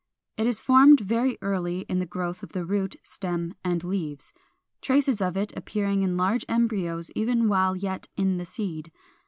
It is formed very early in the growth of the root, stem, and leaves, traces of it appearing in large embryos even while yet in the seed.